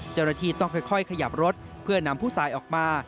เจ้าหน้าที่ต้องค่อยขยับรถเพื่อนำผู้ตายออกมา